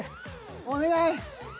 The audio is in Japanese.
お願い。